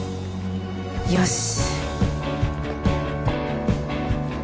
よし！